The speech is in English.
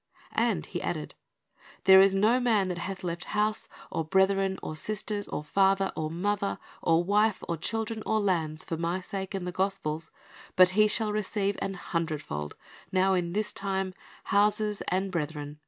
And He added, "There is no man that hath left house, or brethren, or sisters, or father, or mother, or wife, or children, or lands, for My sake, and the gospel's, but he shall receive an hundred fold now in this time, houses, and brethren, and 1 Phil.